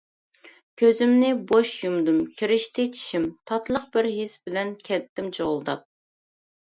كۆزۈمنى بوش يۇمدۇم كىرىشتى چىشىم، تاتلىق بىر ھېس بىلەن كەتتىم جۇغۇلداپ.